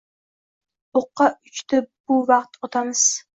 O’qqa uchdi bu vakt otamiz.